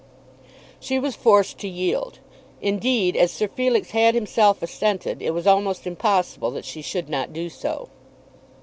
She was forced to yield. Indeed, as Sir Felix had himself assented, it was almost impossible that she should not do so.